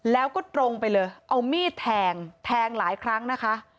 แล้วก็ตรงไปเลยเอามีดแทงแทงหลายครั้งนะคะ